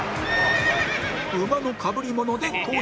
馬のかぶりもので登場